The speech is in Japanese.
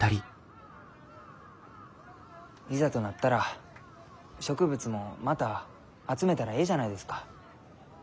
いざとなったら植物もまた集めたらえいじゃないですか。